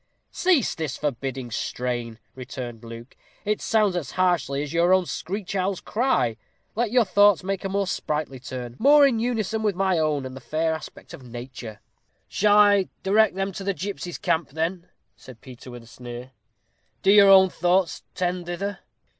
"Cease this forbidding strain," returned Luke; "it sounds as harshly as your own screech owl's cry. Let your thoughts take a more sprightly turn, more in unison with my own and the fair aspect of nature." "Shall I direct them to the gipsies' camp, then?" said Peter, with a sneer. "Do your own thoughts tend thither?"